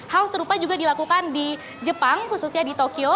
hal serupa juga dilakukan di jepang khususnya di tokyo